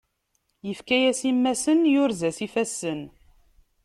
Ifka-yas imassen, yurez-as ifassen.